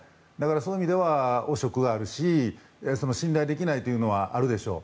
そういう意味では汚職があるし信頼できないというのはあるでしょう。